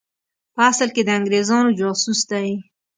په اصل کې د انګرېزانو جاسوس دی.